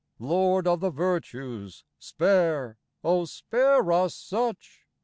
Lord of the virtues, spare, spare us such !